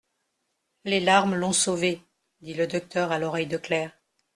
Les larmes l'ont sauvé, dit le docteur à l'oreille de Claire.